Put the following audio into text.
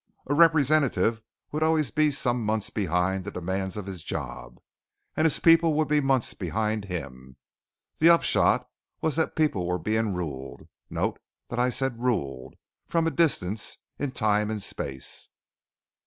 A representative would always be some months behind the demands of his job, and his people would be months behind him. The upshot was that people were being ruled note that I said ruled from a distance in time and space.